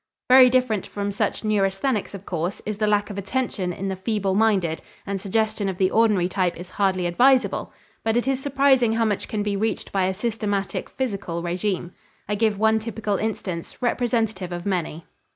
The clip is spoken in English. Very different from such neurasthenics, of course, is the lack of attention in the feeble minded, and suggestion of the ordinary type is hardly advisable, but it is surprising how much can be reached by a systematic psychical régime. I give one typical instance, representative of many.